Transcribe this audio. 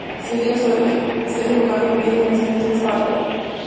Siria suele ser el lugar referido del nacimiento de esta variedad.